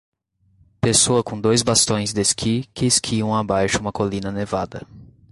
Pessoa com dois bastões de esqui que esquiam abaixo uma colina nevada